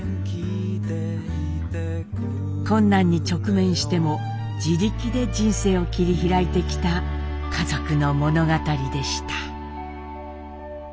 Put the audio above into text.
困難に直面しても自力で人生を切り開いてきた家族の物語でした。